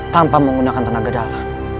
tanpa menggunakan tenaga dalam